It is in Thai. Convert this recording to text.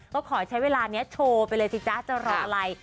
ก็ขอใช้เวลานี้โชว์ไปเลยสิจ๊ะจะรออะไร